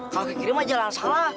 kalau ke kiri ma jalan salah